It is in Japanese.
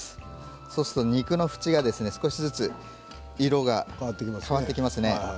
そうすると肉の縁が少しずつ色が変わってきますね。